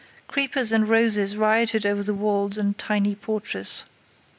Creepers and roses rioted over the walls and tiny porches.